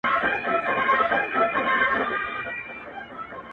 د سامعينو په ځای کي ناست وم